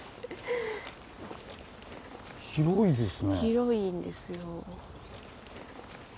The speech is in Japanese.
広いんですよ。